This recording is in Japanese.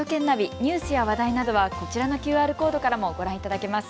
ニュースや話題などはこちらのＱＲコードからもご覧いただけます。